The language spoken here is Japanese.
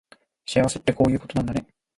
幸せってこういうことなんだね